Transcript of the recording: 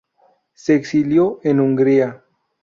Se exilió en Hungría.